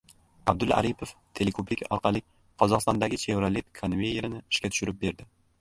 Abdulla Aripov teleko‘prik orqali Qozog‘istondagi Chevrolet konveyerini ishga tushirib berdi